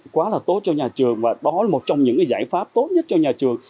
quá là tốt cho nhà trường và đó là một trong những giải pháp tốt nhất cho nhà trường